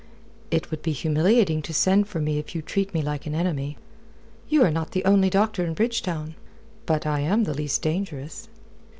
"It would be humiliating to send for me if you treat me like an enemy." "You are not the only doctor in Bridgetown." "But I am the least dangerous."